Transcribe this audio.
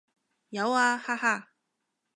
有啊，哈哈